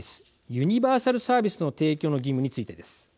ユニバーサルサービスの提供の義務についてです。